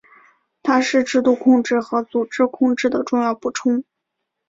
它是制度控制和组织控制的重要补充。